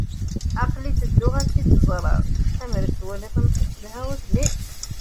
Aql-i tedduɣ ad tt-id-ẓreɣ. Ammer ad twaliḍ amek i cedhaɣ udem-is.